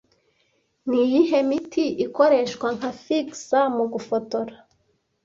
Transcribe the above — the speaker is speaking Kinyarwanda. Niyihe miti ikoreshwa nka 'fixer' mu gufotora